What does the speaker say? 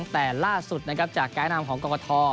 แต่ล่าสุดนะครับจากแก้นามของกศ